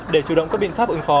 để chủ động các biện pháp ứng phó